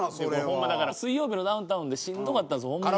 ホンマだから『水曜日のダウンタウン』でしんどかったんですホンマに。